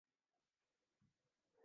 iliza rfi kiswahili